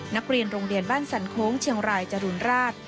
นักเรียนโรงเรียนบ้านสันโค้งเชียงรายจรูนราช